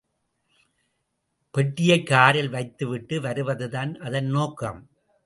பெட்டியைக் காரில் வைத்துவிட்டு வருவதுதான் அதன் நோக்கம்.